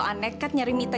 kalau aneh kak nyari mita